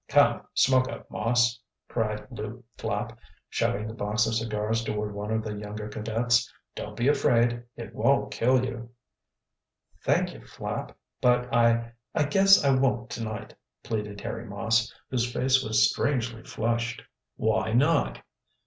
"Come, smoke up, Moss," cried Lew Flapp, shoving the box of cigars toward one of the younger cadets. "Don't be afraid. It won't kill you." "Thank you, Flapp, but I I guess I won't to night," pleaded Harry Moss, whose face was strangely flushed. "Why not?"